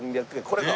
これか。